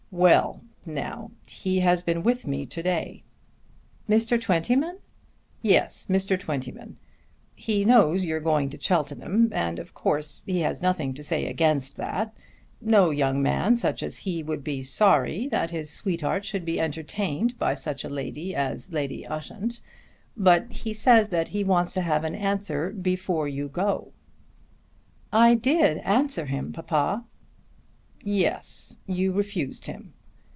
"Well, now; he has been with me to day." "Mr. Twentyman?" "Yes, Mr. Twentyman. He knows you're going to Cheltenham and of course he has nothing to say against that. No young man such as he would be sorry that his sweetheart should be entertained by such a lady as Lady Ushant. But he says that he wants to have an answer before you go." "I did answer him, papa." "Yes, you refused him.